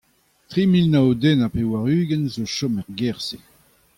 Tri mil nav den ha pevar-ugent zo o chom er gêr-se.